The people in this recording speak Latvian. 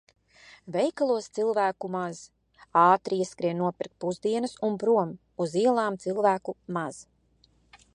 Veikalos cilvēku maz. Ātri ieskrienu nopirkt pusdienas un prom. Uz ielām cilvēku maz.